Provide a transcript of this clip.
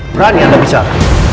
berani anda bicara